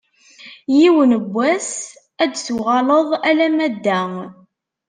Yiwen n wass ad d-tuɣaleḍ alamma d da.